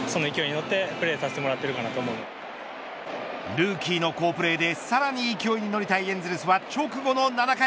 ルーキーの好プレーでさらに勢いに乗りたいエンゼルスは直後の７回。